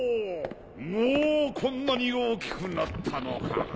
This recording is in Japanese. もうこんなに大きくなったのか。